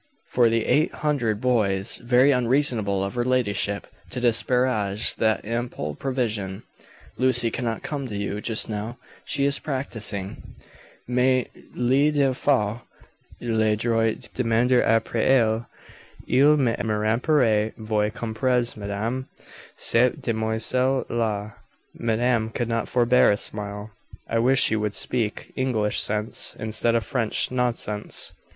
for the eight hundred boys. Very unreasonable of her ladyship to disparage that ample provision. "Lucy cannot come to you just now. She is practicing." "Mais, il le faut. J'ai le droit de demander apres elle. Elle m'appartient, vous comprenez, madame, cette demoiselle la." Madame could not forbear a smile. "I wish you would speak English sense, instead of French nonsense."